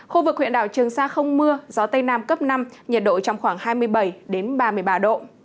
khu vực huyện đảo trường sa không mưa gió tây nam cấp năm nhiệt độ trong khoảng hai mươi bảy ba mươi ba độ